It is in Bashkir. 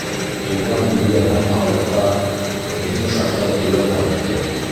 Тыуған илгә һәм халыҡҡа Беҙҙең сафтар теүәл ҡайтты.